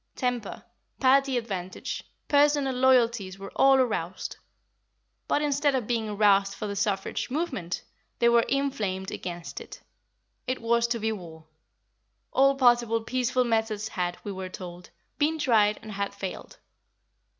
Temper, party advantage, personal loyalties were all aroused; but, instead of being aroused for the suffrage movement, they were inflamed against it. It was to be war. All possible peaceful methods had, we were told, been tried and had failed.